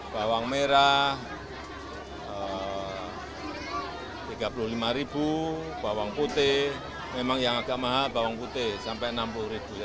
bawang merah rp tiga puluh lima bawang putih memang yang agak mahal bawang putih sampai rp enam puluh